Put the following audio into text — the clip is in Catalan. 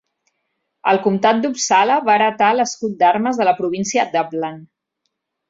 El Comtat d'Uppsala va heretar l'escut d'armes de la província d'Uppland.